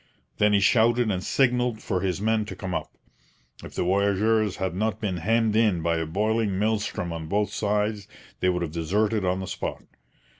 Then he shouted and signalled for his men to come up. If the voyageurs had not been hemmed in by a boiling maelstrom on both sides, they would have deserted on the spot.